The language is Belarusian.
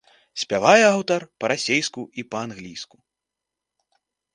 Спявае аўтар па-расейску і па-англійску.